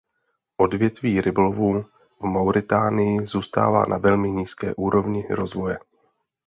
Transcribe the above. Odvětví rybolovu v Mauritánii zůstává na velmi nízké úrovni rozvoje.